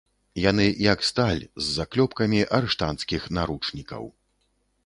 Яны як сталь з заклёпкамі арыштанцкіх наручнікаў.